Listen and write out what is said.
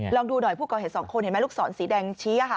ลองดูหน่อยผู้ก่อเหตุสองคนเห็นไหมลูกศรสีแดงชี้ค่ะ